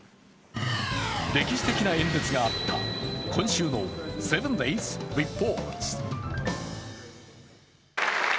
歴史的な演説があった今週の「７ｄａｙｓリポート」。